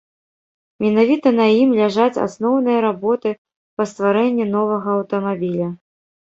Менавіта на ім ляжаць асноўныя работы па стварэнні новага аўтамабіля.